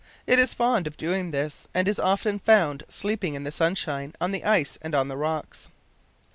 It is fond of doing this, and is often found sleeping in the sunshine on the ice and on rocks.